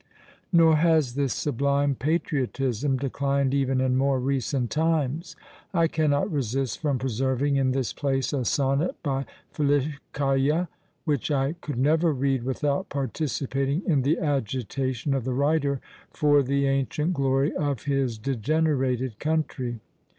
Nor has this sublime patriotism declined even in more recent times; I cannot resist from preserving in this place a sonnet by Filicaja, which I could never read without participating in the agitation of the writer for the ancient glory of his degenerated country!